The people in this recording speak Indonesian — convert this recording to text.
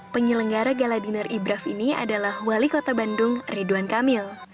penyelenggara gala dinner ibraf ini adalah wali kota bandung ridwan kamil